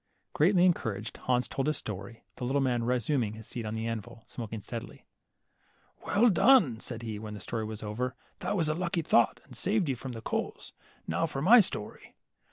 Greatly encouraged, Hans told his story, the little man resuming his seat on the anvil, and smoking steadily. Well done !" said he, when the story was over ; that was a lucky thought, and saved you from the •coals. Now for my story.